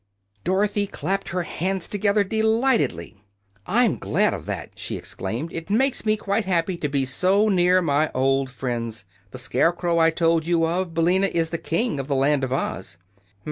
Dorothy clapped her hands together delightedly. "I'm glad of that!" she exclaimed. "It makes me quite happy to be so near my old friends. The scarecrow I told you of, Billina, is the King of the Land of Oz."